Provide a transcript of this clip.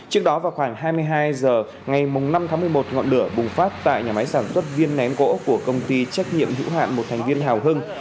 trước đó vào khoảng hai mươi hai h ngày năm tháng một mươi một ngọn lửa bùng phát tại nhà máy sản xuất viên ném gỗ của công ty trách nhiệm hữu hạn một thành viên hào hưng